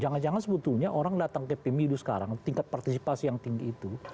karena sebetulnya orang datang ke pemilu sekarang tingkat partisipasi yang tinggi itu